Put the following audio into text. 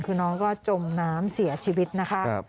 คือน้องก็จมน้ำเสียชีวิตนะคะ